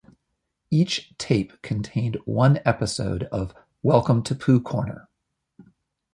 Each tape contained one episode of "Welcome to Pooh Corner".